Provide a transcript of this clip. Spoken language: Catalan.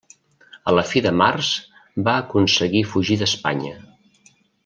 A la fi de març va aconseguir fugir d'Espanya.